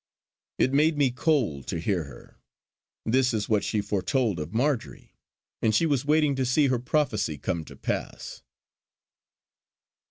It made me cold to hear her. This is what she foretold of Marjory; and she was waiting to see her prophecy come to pass.